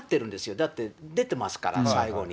だって、出てますから、最後に。